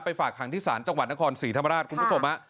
ฝากขังที่ศาลจังหวัดนครศรีธรรมราชคุณผู้ชม